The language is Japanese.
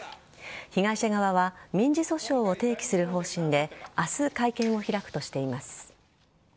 被害者側は民事訴訟を提起する方針で明日、会見を開くとしています。